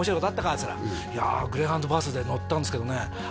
っつうから「いやグレイハウンドバスで乗ったんですけどね」